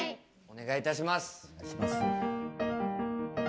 お願いいたします。